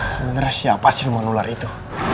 sebenernya siapa siluman ular itu